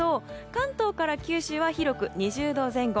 関東から九州は広く２０度前後。